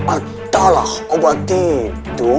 adalah obat itu rai